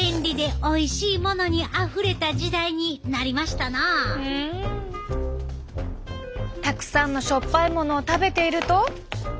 たくさんのしょっぱいものを食べていると。